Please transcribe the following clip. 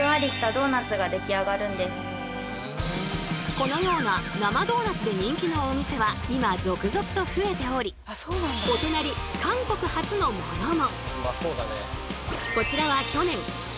このような生ドーナツで人気のお店は今続々と増えておりお隣韓国発のものも！